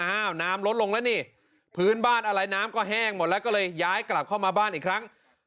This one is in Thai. น้ำลดลงแล้วนี่พื้นบ้านอะไรน้ำก็แห้งหมดแล้วก็เลยย้ายกลับเข้ามาบ้านอีกครั้ง